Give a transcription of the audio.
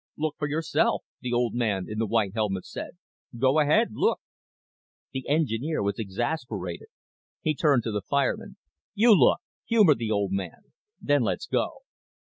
"Look for yourself," the old man in the white helmet said. "Go ahead. Look." The engineer was exasperated. He turned to the fireman. "You look. Humor the old man. Then let's go."